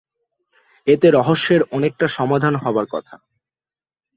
এতে রহস্যের অনেকটা সমাধান হবার কথা।